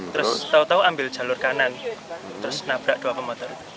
terus tahu tahu ambil jalur kanan terus nabrak dua pemotor